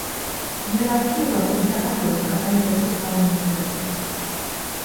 იერარქიულად იგი საქართველოს კათოლიკოსის გავლენის ქვეშ იყო.